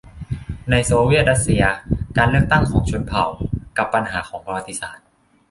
ในโซเวียตรัสเซีย : การเลือกตั้งของชนเผ่า กับ ปัญหาของประวัติศาสตร์